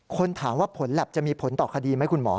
คนถามว่าผลแล็บจะมีผลต่อคดีไหมคุณหมอ